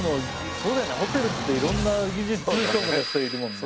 そうだよなホテルっていろんな技術職の人いるもんね。